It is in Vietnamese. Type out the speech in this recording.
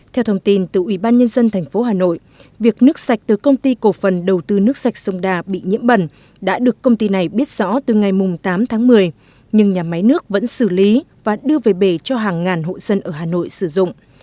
theo thông tin từ ủy ban nhân dân tp hà nội việc nước sạch từ công ty cổ phần đầu tư nước sạch sông đà bị nhiễm bẩn đã được công ty này biết rõ từ ngày tám tháng một mươi nhưng nhà máy nước vẫn xử lý và đưa về bể cho hàng ngàn hộ dân ở hà nội sử dụng